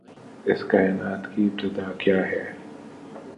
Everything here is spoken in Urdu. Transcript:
اس کائنات کی ابتدا کیا ہے؟